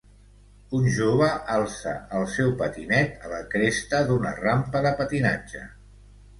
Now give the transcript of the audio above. Un jove alça el seu patinet a la cresta d'una rampa de patinatge.